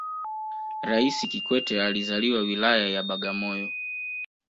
raisi kikwete alizaliwa wilaya ya bagamoyo